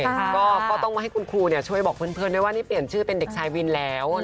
ก็ต้องมาให้คุณครูช่วยบอกเพื่อนด้วยว่านี่เปลี่ยนชื่อเป็นเด็กชายวินแล้ว